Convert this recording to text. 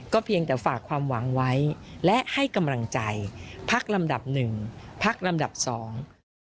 เพียงแต่ฝากความหวังไว้และให้กำลังใจพักลำดับหนึ่งพักลำดับสอง